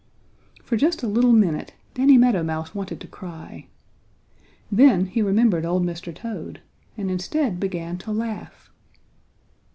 For just a little minute Danny Meadow Mouse wanted to cry. Then he remembered old Mr. Toad and instead began to laugh.